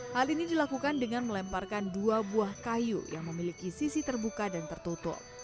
hal ini dilakukan dengan melemparkan dua buah kayu yang memiliki sisi terbuka dan tertutup